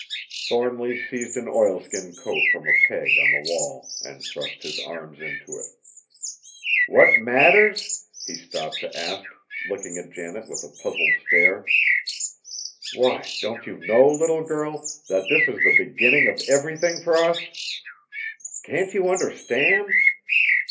Thornly seized an oilskin coat from a peg on the wall, and thrust his arms into it. "What matters?" he stopped to ask, looking at Janet with a puzzled stare. "Why, don't you know, little girl, that this is the beginning of everything for us? Can't you understand?"